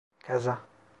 Kaza…